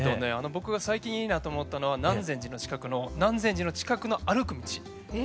僕が最近いいなと思ったのは南禅寺の近くの南禅寺の近くの歩く道。